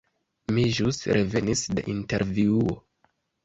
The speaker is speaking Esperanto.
Mi ĵus revenis de intervjuo.